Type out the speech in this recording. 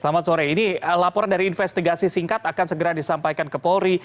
selamat sore ini laporan dari investigasi singkat akan segera disampaikan ke polri